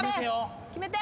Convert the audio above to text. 決めて。